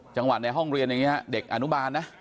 ในห้องเรียนอย่างนี้เด็กอนุบาลนะ